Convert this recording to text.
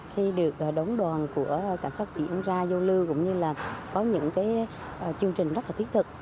khi được đóng đoàn của cảnh sát biển ra vô lưu cũng như là có những chương trình rất là thiết thực